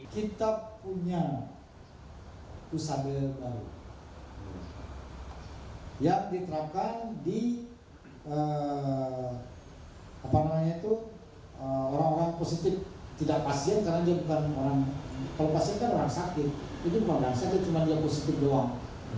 tidak pasien karena dia bukan orang kalau pasien kan orang sakit itu bukan orang sakit cuma dia positif doang